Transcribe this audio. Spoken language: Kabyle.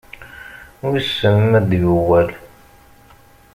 Wissen ma ad d-yuɣal?